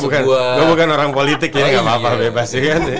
gue bukan orang politik ya gapapa bebas